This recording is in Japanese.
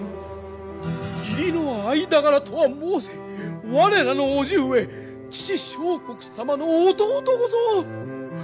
義理の間柄とは申せ我らの叔父上父相国様の弟御ぞ！